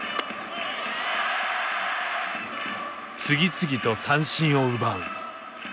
次々と三振を奪う。